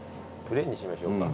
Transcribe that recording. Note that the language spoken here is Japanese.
プレーンにしましょうか。